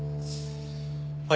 はい。